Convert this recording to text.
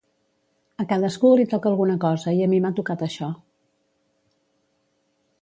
A cadascú li toca alguna cosa i a mi m’ha tocat això.